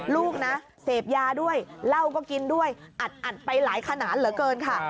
ลูกนะเสพยาด้วยเหล้าก็กินด้วยอัดไปหลายขนาดเหลือเกินค่ะ